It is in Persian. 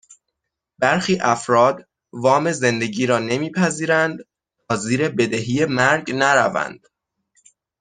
برخی افراد وام زندگی را نمیپذیرند تا زیر بدهی مرگ نروند